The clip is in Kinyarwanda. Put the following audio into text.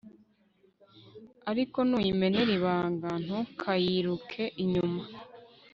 ariko nuyimenera ibanga, ntukayiruke inyuma